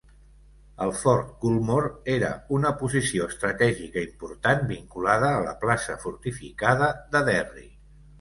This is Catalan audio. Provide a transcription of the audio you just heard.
El Fort Culmore era una posició estratègica important vinculada a la plaça fortificada de Derry.